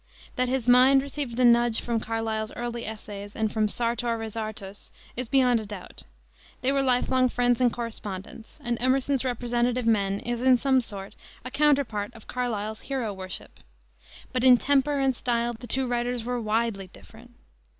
That his mind received a nudge from Carlyle's early essays and from Sartor Resartus is beyond a doubt. They were life long friends and correspondents, and Emerson's Representative Men is, in some sort, a counterpart of Carlyle's Hero Worship. But in temper and style the two writers were widely different.